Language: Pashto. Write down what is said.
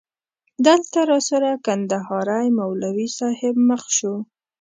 دلته راسره کندهاری مولوی صاحب مخ شو.